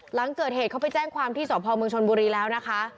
หลังเกิดเหตุเขาไปแจ้งความที่สพเมืองชนบุรีแล้วนะคะ